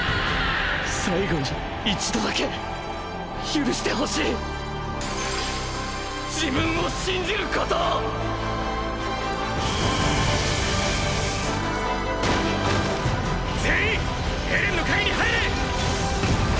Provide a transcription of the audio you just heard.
最後に一度だけ許してほしい自分を信じることを全員エレンの陰に入れ！！